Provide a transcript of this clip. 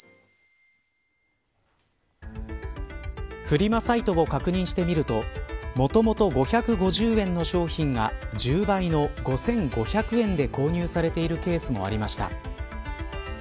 フリマサイトを確認してみるともともと５５０円の商品が１０倍の５５００円で購入されているケースもありました。